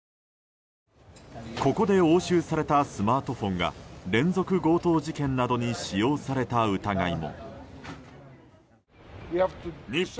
ここで押収されたスマートフォンが連続強盗事件などに使用された疑いも。